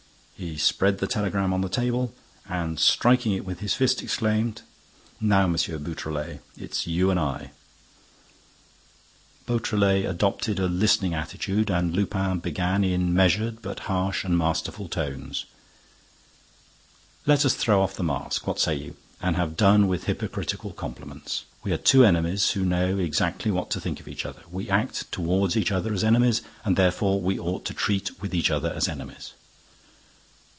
He spread the telegram on the table and, striking it with his fist, exclaimed: "Now, M. Beautrelet, it's you and I!" Beautrelet adopted a listening attitude and Lupin began, in measured, but harsh and masterful tones: "Let us throw off the mask—what say you?—and have done with hypocritical compliments. We are two enemies, who know exactly what to think of each other; we act toward each other as enemies; and therefore we ought to treat with each other as enemies."